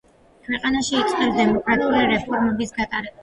ქვეყანაში იწყებს დემოკრატიული რეფორმების გატარებას.